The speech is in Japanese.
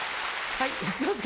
はい。